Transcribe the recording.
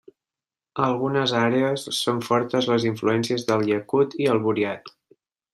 A algunes àrees són fortes les influències del iacut i el buriat.